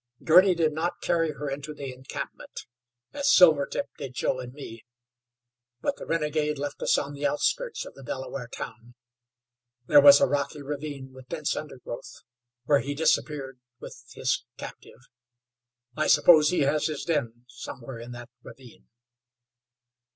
Girty did not carry her into the encampment, as Silvertip did Joe and me, but the renegade left us on the outskirts of the Delaware town. There was a rocky ravine with dense undergrowth where he disappeared with his captive. I suppose he has his den somewhere in that ravine."